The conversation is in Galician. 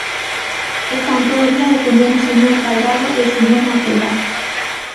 Están todo o día defendendo o señor Cadrado e o señor Noceda.